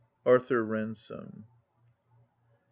Arthur Ransome.